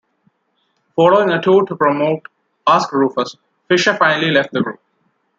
Following a tour to promote "Ask Rufus", Fischer finally left the group.